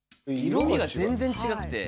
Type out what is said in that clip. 色みが全然違くて。